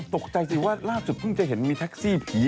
ตกใจสิว่าล่าสุดเพิ่งจะเห็นมีแท็กซี่ผี